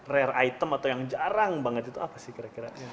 rare item atau yang jarang banget itu apa sih kira kira